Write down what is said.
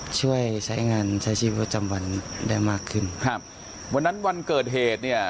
ช่วยใช้งานใช้ชีวิตประจำวันได้มากขึ้นครับวันนั้นวันเกิดเหตุเนี่ย